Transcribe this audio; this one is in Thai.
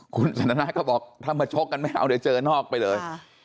คุณสันทนาก็บอกถ้ามาชกกันไม่เอาเดี๋ยวเจอนอกไปเลย